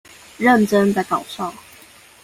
認真的搞笑